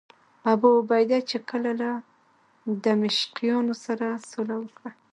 ابوعبیده چې کله له دمشقیانو سره سوله وکړه.